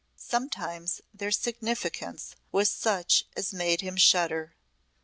Sometimes their significance was such as made him shudder.